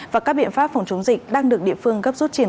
và các biện pháp phòng chống dịch đang được địa phương gấp rút triển